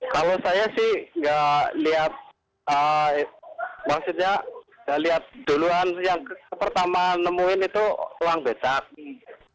kalau saya sih nggak lihat maksudnya lihat duluan yang pertama nemuin itu uang becak